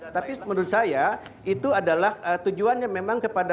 tapi menurut saya itu adalah tujuannya memang kepada